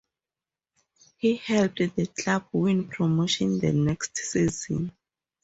He helped the club win promotion the next season.